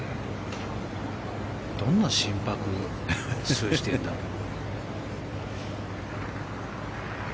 どんな心拍数してるんだろう。